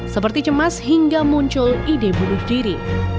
seperti cemas hingga muncul ide bunuh diri